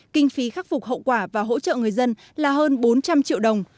kinh phí khắc phục hậu quả và hỗ trợ người dân là hơn bốn trăm linh triệu đồng